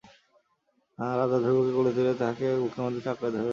রাজা ধ্রুবকে কোলে তুলিয়া লইয়া তাহাকে বুকের মধ্যে চাপিয়া রাখিলেন।